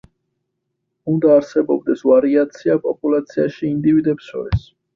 უნდა არსებობდეს ვარიაცია პოპულაციაში ინდივიდებს შორის.